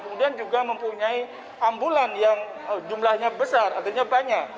kemudian juga mempunyai ambulan yang jumlahnya besar artinya banyak